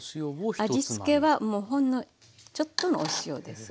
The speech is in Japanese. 味付けはもうほんのちょっとのお塩です。